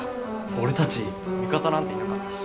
俺たち味方なんていなかったし。